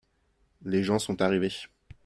les gens sont arrivés.